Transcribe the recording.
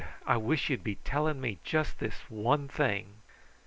How I wish You'd be telling me just this one thing!"